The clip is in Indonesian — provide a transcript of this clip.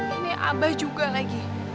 ini abah juga lagi